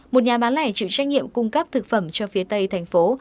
một nhà bán lẻ chịu trách nhiệm cung cấp thực phẩm cho phía tây thành phố